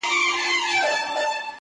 • او سره له هغه چي په لویو -